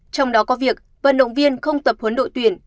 trong đó có việc vận động viên không tập huấn đội tuyển